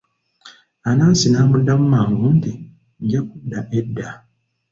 Anansi n'amuddamu mangu nti, nja kudda edda.